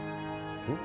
えっ？